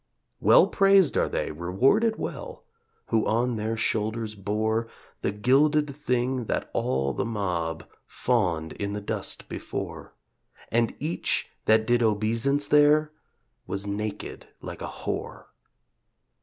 Well praised are they rewarded well Who on their shoulders bore The gilded Thing that all the mob Fawned in the dust before. And each that did obeisance there Was naked like a whore.